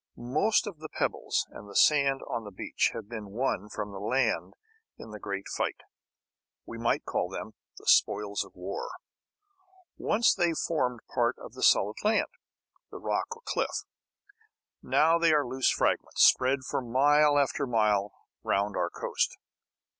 Most of the pebbles and the sand on the beach have been won from the land in the great fight. We might call them the spoils of war. Once they formed part of the solid land, the rock or cliff. Now they are loose fragments spread for mile after mile round our coast.